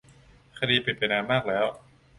คดีปิดไปนานมากแล้ว